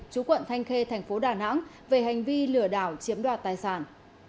chú quận thanh khê tp đà nẵng về hành vi lửa đảo chiếm đoạt tài sản